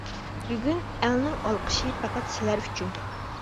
بۈگۈن ئەلنىڭ ئالقىشى پەقەت سىلەر ئۈچۈن!